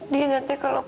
di nanti kalau pak